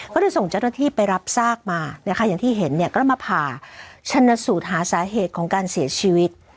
ก็เลยส่งเจ้าหน้าที่ไปรับซากมานะคะอย่างที่เห็นเนี่ยก็มาผ่าชนสูตรหาสาเหตุของการเสียชีวิต